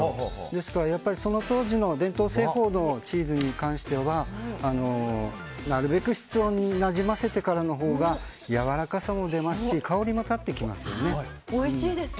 ですから、その当時の伝統製法のチーズに関してはなるべく室温になじませてからのほうがやわらかさも出ますし香りも立ってきますよね。おいしいです。